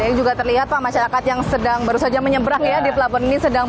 ini juga terlihat pak masyarakat yang baru saja menyeberang di pelabuhan ini